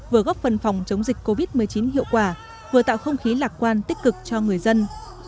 vừa góp phần phòng chống dịch covid một mươi chín hiệu quả vừa tạo không khí lạc quan tích cực cho người dân